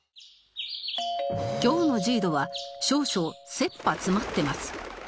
今日の ＪＩＤＯ は少々切羽詰まってます